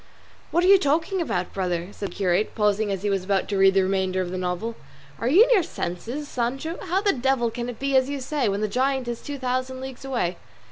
"What are you talking about, brother?" said the curate, pausing as he was about to read the remainder of the novel. "Are you in your senses, Sancho? How the devil can it be as you say, when the giant is two thousand leagues away?"